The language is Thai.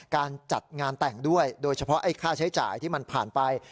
การจัดงานแต่งด้วยโดยเฉพาะไอ้ค่าใช้จ่ายที่มันผ่านไป